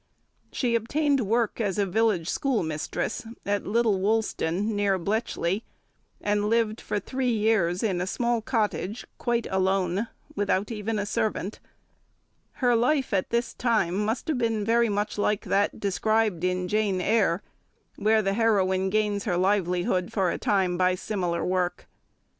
She obtained work as a village schoolmistress at Little Woolston, near Bletchley, and lived for three years in a small cottage, quite alone, without even a servant; her life at this time must have been very much like that described in Jane Eyre, where the heroine gains her livelihood for a time by similar work.